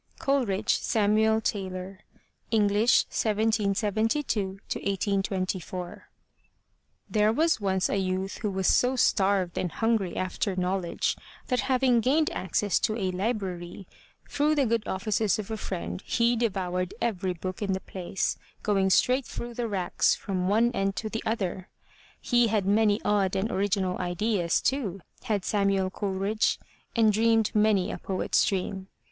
COLERIDGE, SAMUEL TAYLOR (English, 1772 1824) There was once a youth who was so starved and hungry after knowledge, that having gained access to a library through the good offices of a friend, he devoured every book in the place, going straight through the racks from one end to the other! He had many odd and original ideas, too, had Samuel Coleridge, and dreamed many a poet's dream.